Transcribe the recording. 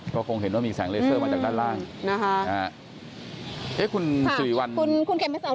ก็คงเห็นว่ามีแสงเลเซอร์มาจากด้านล่างนะฮะคุณสวิวันคุณคุณแก่มันสน